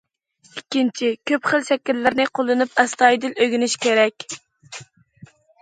ئىككىنچى، كۆپ خىل شەكىللەرنى قوللىنىپ، ئەستايىدىل ئۆگىنىش كېرەك.